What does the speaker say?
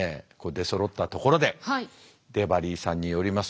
出そろったところでデバリーさんによります